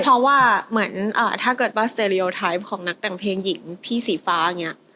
เพราะว่าเหมือนถ้าเกิดว่าสเตดีโอไทยของนักแต่งเพลงหญิงพี่สีฟ้าอย่างนี้